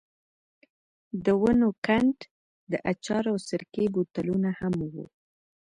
د ونو کنډ، د اچارو او سرکې بوتلونه هم وو.